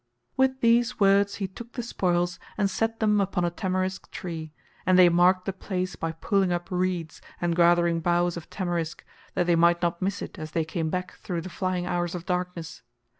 With these words he took the spoils and set them upon a tamarisk tree, and they marked the place by pulling up reeds and gathering boughs of tamarisk that they might not miss it as they came back through the flying hours of darkness.